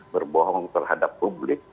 berbohong terhadap publik